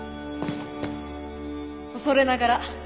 恐れながら！